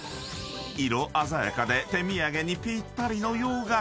［色鮮やかで手土産にぴったりの洋菓子］